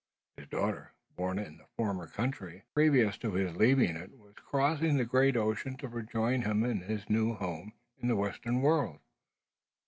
His daughter, born in the former country, previous to his leaving it, was crossing the great ocean to rejoin him in his new home in the western world.